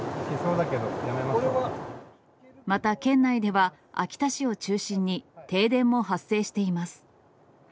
また、県内では秋田市を中心に、停電も発生しています。